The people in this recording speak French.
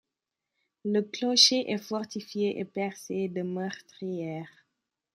Le clocher est fortifié et percé de meurtrières.